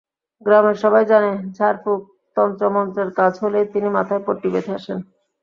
গ্রামের সবাই জানে, ঝাড়ফুঁক, তন্ত্র-মন্ত্রের কাজ হলেই তিনি মাথায় পট্টি বেঁধে আসেন।